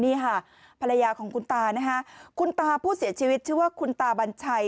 นี่ค่ะภรรยาของคุณตานะคะคุณตาผู้เสียชีวิตชื่อว่าคุณตาบัญชัย